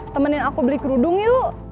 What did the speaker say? temenin aku beli kerudung yuk